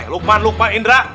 lukman lukman indra